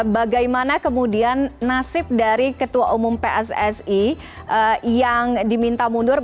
bagaimana kemudian nasib dari ketua umum pssi yang diminta mundur